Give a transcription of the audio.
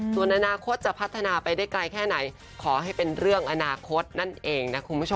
ตัวนานาคตจะพัฒนาไปได้ไกลแค่ไหนขอให้เป็นเรื่องอ